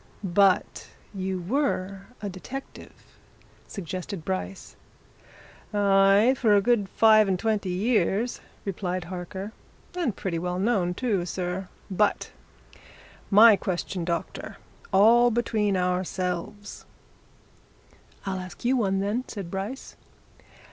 "But you were a detective?" suggested Bryce. "Aye, for a good five and twenty years!" replied Harker. "And pretty well known, too, sir. But my question, doctor. All between ourselves!" "I'll ask you one, then," said Bryce.